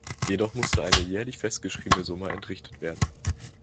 Jedoch musste eine jährlich festgeschriebene Summe entrichtet werden.